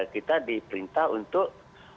kita diperintah untuk